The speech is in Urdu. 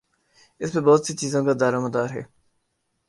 اس پر بہت سی چیزوں کا دارومدار ہے۔